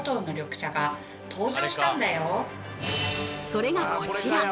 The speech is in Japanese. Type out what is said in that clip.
それがこちら。